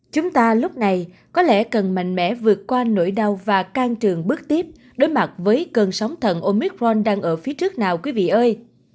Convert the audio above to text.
chúng ta lúc này có lẽ cần mạnh mẽ vượt qua nỗi đau và can trường bước tiếp đối mặt với cơn sóng thần omicron đang ở phía trước nào quý vị ơi